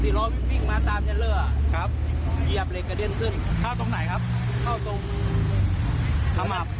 เหยียบเหล็กกระเด็นขึ้นเข้าตรงไหนครับเข้าตรงข้างหลับ